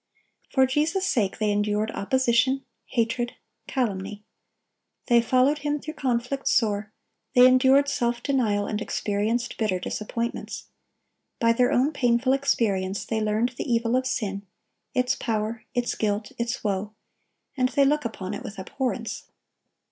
For Jesus' sake they endured opposition, hatred, calumny. They followed Him through conflicts sore; they endured self denial and experienced bitter disappointments. By their own painful experience they learned the evil of sin, its power, its guilt, its woe; and they look upon it with abhorrence.